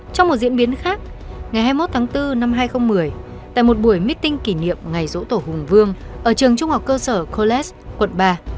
trong một diễn biến khác ngày hai mươi một tháng bốn năm hai nghìn một mươi tại một buổi meeting kỷ niệm ngày rỗ tổ hùng vương ở trường trung học cơ sở colles quận ba